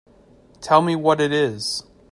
Tell me what it is.